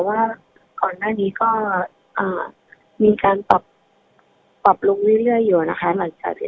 ว่าก่อนหน้านี้ก็มีการปรับปรับลงเรื่อยอยู่นะคะหลังจากที่